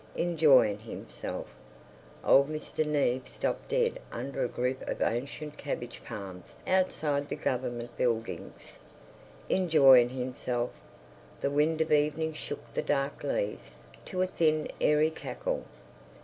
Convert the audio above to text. Enjoying himself! Old Mr. Neave stopped dead under a group of ancient cabbage palms outside the Government buildings! Enjoying himself! The wind of evening shook the dark leaves to a thin airy cackle.